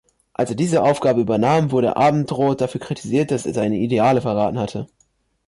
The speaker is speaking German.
Als er diese Aufgabe übernahm, wurde Abendroth dafür kritisiert, dass er seine Ideale verraten hatte.